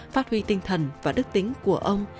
phát huy tinh thần và đức tính của ông